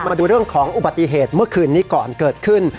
มาดูเรื่องของอุบัติเหตุเมื่อคืนนี้ก่อนเกิดขึ้น